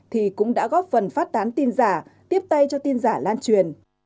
thì cũng đã góp phần phát tán tin giả tiếp tay cho tin giả lan truyền